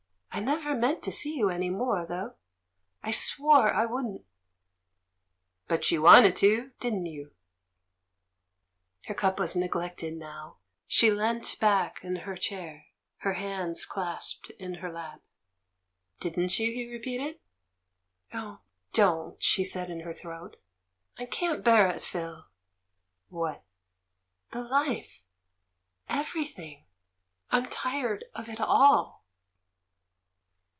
I never meant to see you any more, though; I swore I wouldn't." "But you wanted to, didn't you?" Her cup was neglected now ; she leant back in the chair, her hands clenched in her lap. "Didn't you?" he repeated. DEAD VIOLETS 247; "Oh, don't!" she said in her throat. "I can't bear it, Phil!" "What?" "The hfe — everything! I'm tired of it all."